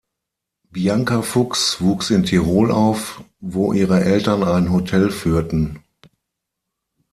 Bianca Fuchs wuchs in Tirol auf, wo ihre Eltern ein Hotel führten.